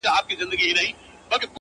نه؛ مزل سخت نه و; آسانه و له هري چاري;